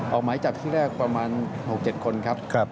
ออกหมายจับที่แรกประมาณ๖๗คนครับ